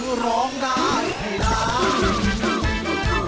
คือร้องได้ให้ร้าน